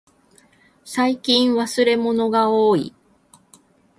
最近忘れ物がおおい。